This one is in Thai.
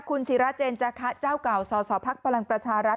คุณศิราเจนจ้าเจ้าเก่าสศภักดิ์ประลังประชารัฐ